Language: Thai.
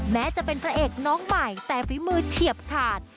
แม้จะเป็นพระเอกน้องใหม่แต่ฝีมือเฉียบขาด